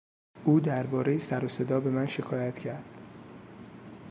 او دربارهی سر و صدا به من شکایت کرد.